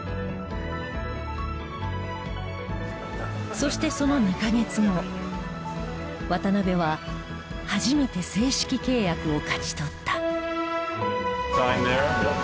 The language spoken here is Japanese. そしてその２カ月後渡邊は初めて正式契約を勝ち取った。